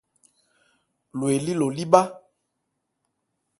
Lo elí lo lí bhá.